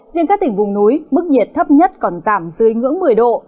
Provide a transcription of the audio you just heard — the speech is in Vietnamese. riêng các tỉnh vùng núi mức nhiệt thấp nhất còn giảm dưới ngưỡng một mươi độ